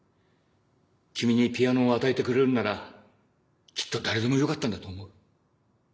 君にピアノを与えてくれるならきっと誰でもよかったんだと思う。